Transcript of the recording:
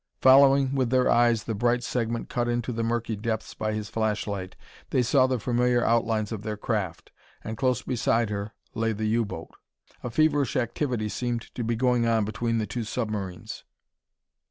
Following with their eyes the bright segment cut into the murky depths by his flashlight, they saw the familiar outlines of their craft; and close beside her lay the U boat. A feverish activity seemed to be going on between the two submarines.